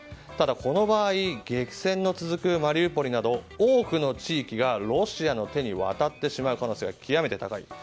ただ、この場合激戦の続くマリウポリなど多くの地域がロシアの手に渡ってしまう可能性が極めて高い。